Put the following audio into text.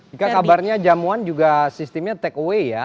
jika kabarnya jamuan juga sistemnya take away ya